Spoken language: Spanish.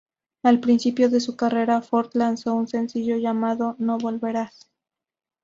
Al principio de su carrera, Fort lanzó un sencillo llamado "No volverás".